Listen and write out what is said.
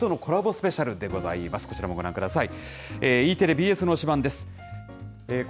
スペシャルでございます、こちらもご覧ください。